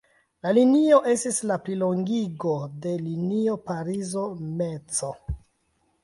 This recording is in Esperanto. La linio estis la plilongigo de la linio Parizo–Meco.